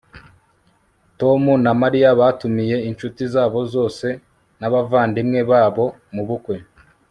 tom na mariya batumiye inshuti zabo zose n'abavandimwe babo mubukwe